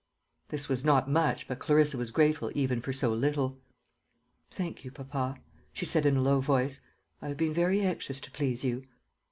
This was not much, but Clarissa was grateful even for so little. "Thank you, papa," she said in a low voice; "I have been very anxious to please you."